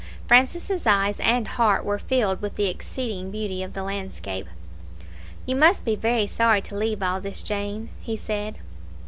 Francis' eyes and heart were filled with the exceeding beauty of the landscape. "You must be very sorry to leave all this Jane," he said.